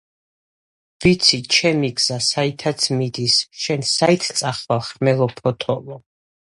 ვიცი, ჩემი გზა საითაც მიდის, შენ საით წახვალ, ხმელო ფოთოლო!